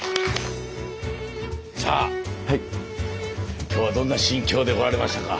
さあ今日はどんな心境で来られましたか。